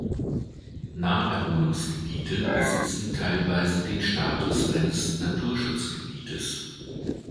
Naherholungsgebiete besitzen teilweise den Status eines Naturschutzgebietes.